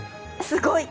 すごい！